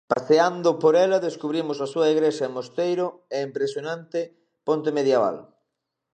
Paseando por ela descubrimos a súa igrexa e mosteiro e a impresionante ponte medieval.